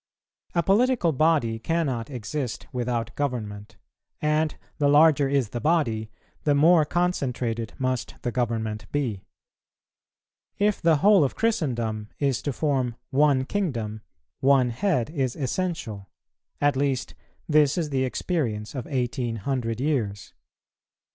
A political body cannot exist without government, and the larger is the body the more concentrated must the government be. If the whole of Christendom is to form one Kingdom, one head is essential; at least this is the experience of eighteen hundred years.